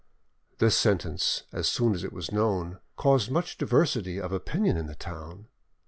This sentence, as soon as it was known, caused much diversity of opinion in the town.